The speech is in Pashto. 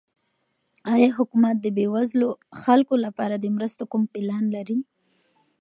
آیا حکومت د بېوزلو خلکو لپاره د مرستو کوم پلان لري؟